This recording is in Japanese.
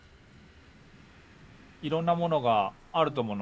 いろんなものがあると思うの。